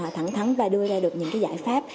thẳng thắn và đưa ra được những cái giải pháp